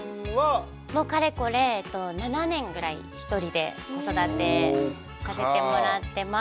もうかれこれ７年ぐらいひとりで子育てさせてもらってます。